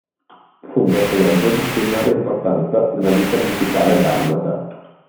Fu un personaggio di primaria importanza nella vita musicale dalmata.